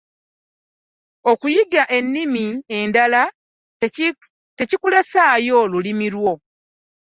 Okuyiga ennimi endala tekukulesaayo lulimi lwo.